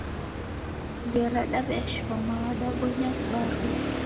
Ngera ndaw'eashoma, w'adabonya kibarua?